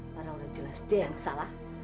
padahal udah jelas dia yang salah